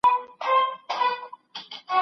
سم اتڼ یې اچولی موږکانو